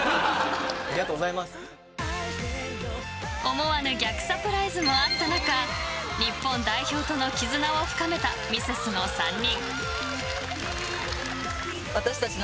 思わぬ逆サプライズもあった中日本代表との絆を深めたミセスの３人。